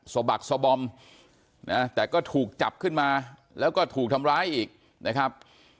บักสบอมนะแต่ก็ถูกจับขึ้นมาแล้วก็ถูกทำร้ายอีกนะครับ